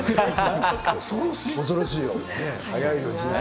恐ろしい。